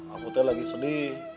kamu teh tadi pergi